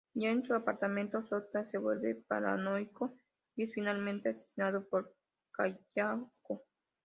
Ya en su apartamento Sota se vuelve paranoico y es finalmente asesinado por Kayako.